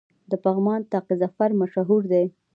د پغمان طاق ظفر مشهور دی